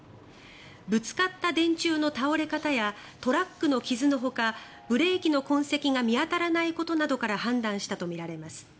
ぶつかった電柱の倒れ方やトラックの傷のほかブレーキの痕跡が見当たらないことなどから判断したとみられます。